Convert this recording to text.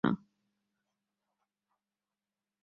যাহা পার করিয়া যাও, কাহারও উপর কোন আশা রাখিও না।